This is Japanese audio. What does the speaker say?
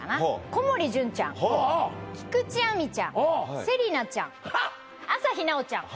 小森純ちゃん菊地亜美ちゃん芹那ちゃん朝日奈央ちゃん